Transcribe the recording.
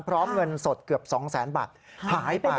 พร้อมเงินสดเกือบสองแสนบัตรหายไป